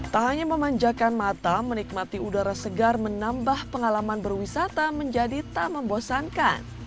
tak hanya memanjakan mata menikmati udara segar menambah pengalaman berwisata menjadi tak membosankan